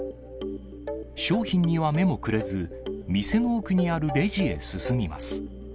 商品には目もくれず、店の奥にあるレジへ進みます。